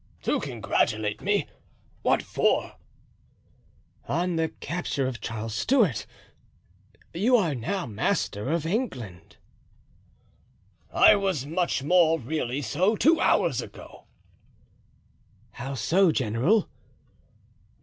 "To congratulate me—what for?" "On the capture of Charles Stuart. You are now master of England." "I was much more really so two hours ago." "How so, general?"